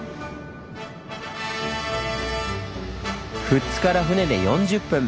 富津から船で４０分！